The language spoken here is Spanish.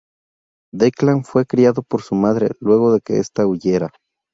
Declan, fue criado por su madre luego de que esta huyera.